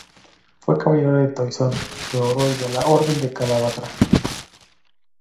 Fue caballero del Toisón de Oro y de la Orden de Calatrava.